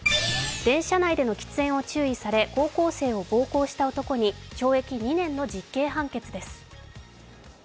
電車内での喫煙を注意され、高校生を暴行した男に懲役２年の実刑判決です。